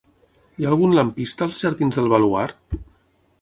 Hi ha algun lampista als jardins del Baluard?